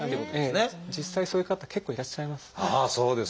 実際そういう方結構いらっしゃいます。